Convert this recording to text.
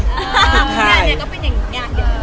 มีงานเนี่ยก็เป็นอย่างงานเดียว